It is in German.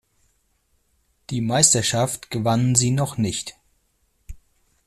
Die Meisterschaft gewannen sie noch nicht.